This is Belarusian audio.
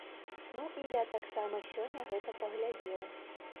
Ну і я таксама сёння гэта паглядзеў.